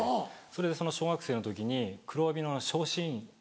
それでその小学生の時に黒帯の昇進試験で。